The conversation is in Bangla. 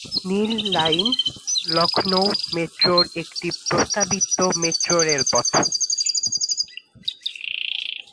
নীল লাইন লখনউ মেট্রোর একটি প্রস্তাবিত মেট্রো রেলপথ।